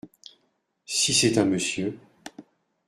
Si c’est un monsieur…